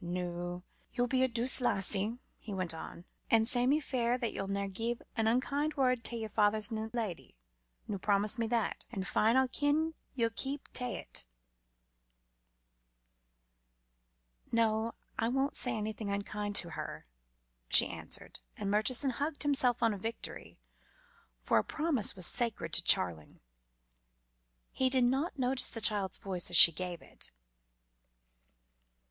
"Noo, ye'll jest be a douce lassie," he went on, "and say me fair that ye'll never gie an unkind word tae yer feyther's new lady. Noo, promise me that, an' fine I ken ye'll keep tae it." "No, I won't say anything unkind to her," she answered, and Murchison hugged himself on a victory, for a promise was sacred to Charling. He did not notice the child's voice as she gave it.